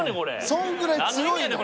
そんぐらい強いねん。